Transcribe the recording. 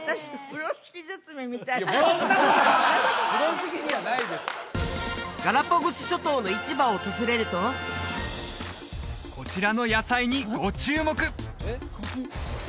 風呂敷じゃないですからガラパゴス諸島の市場を訪れるとこちらの野菜にご注目！